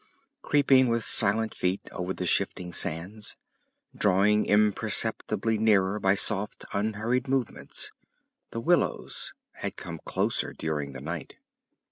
_ Creeping with silent feet over the shifting sands, drawing imperceptibly nearer by soft, unhurried movements, the willows had come closer during the night.